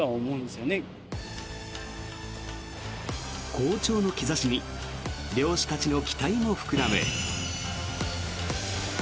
好調の兆しに漁師たちの期待も膨らむ。